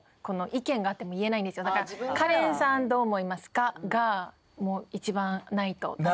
「カレンさんどう思いますか？」がもう一番ないとダメ。